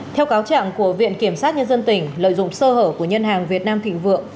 theo cáo trạng của viện kiểm sát nhân dân tỉnh lợi dụng sơ hở của ngân hàng việt nam thịnh vượng